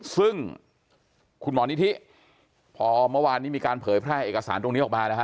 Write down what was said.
ซึ่งคุณหมอนิธิพอเมื่อวานนี้มีการเผยแพร่เอกสารตรงนี้ออกมานะฮะ